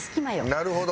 なるほど！